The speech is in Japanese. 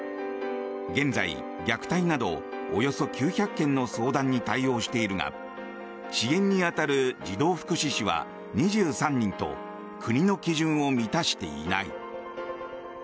現在、虐待などおよそ９００件の相談に対応しているが支援に当たる児童福祉司は２３人と国の基準を満たしていない。